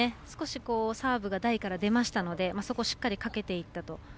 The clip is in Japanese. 少しサーブが台から出ましたのでそこをしっかりかけていったと。